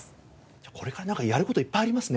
じゃあこれからやる事いっぱいありますね！